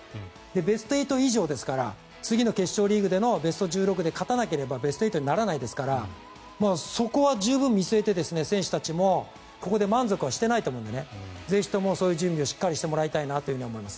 ベスト８以上ですから次の決勝リーグでのベスト１６で勝たなければベスト８にならないですからそこは十分見据えて選手たちもここで満足はしていないと思うのでぜひともそういう準備をしっかりしてほしいと思います。